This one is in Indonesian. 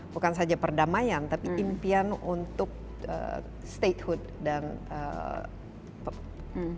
bukan saja perdamaian tapi impian untuk statehood dan